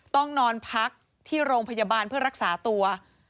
ต้องนอนพักที่โรงพยาบาลเพื่อรักษาตัว